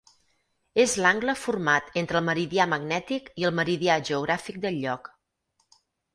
És l'angle format entre el meridià magnètic i el meridià geogràfic del lloc.